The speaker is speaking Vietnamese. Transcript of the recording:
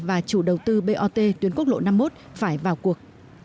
và chủ đầu tư bot tuyến quốc lộ năm mươi một phải vào cuộc